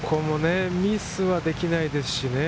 ミスはできないですしね。